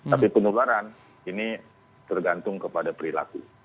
tapi penularan ini tergantung kepada perilaku